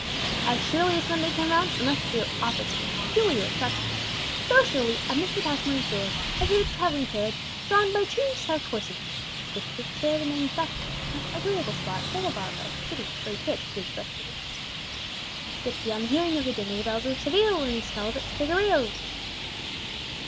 As surely as Sunday came round, unless Seville offered some peculiar attraction, so surely at Mr. Passmore's door appeared a travelling carriage drawn by two stout horses. This was to bear the manufacturer to some agreeable spot several miles out of the city, where he could, as he expressed it, "get beyond hearing of the din of the bells of Seville, and the smell of its cigarillos."